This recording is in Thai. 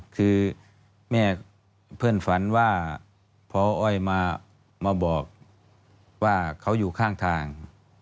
คือแม่เพื่อนฝันว่าพออ้อยมาบอกว่าเขาอยู่ข้างทาง